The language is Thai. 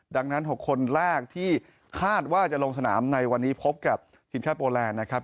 ดังนั้น๖คนแรกที่คาดว่าจะลงสนามในวันนี้พบกับทีมชาติโปแลนด์นะครับ